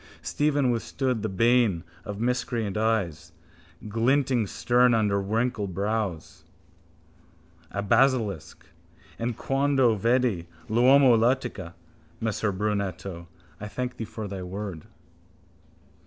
Stephen withstood the bane of miscreant eyes glinting stern under wrinkled brows. A basilisk. E quando vede l'uomo l'attosca. Messer Brunetto, I thank thee for the word.